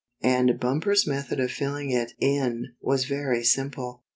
And Bumper's method of filling it in was very simple.